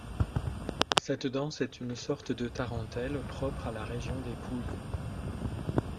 Cette danse, est une sorte de tarentelle propre à la région des Pouilles.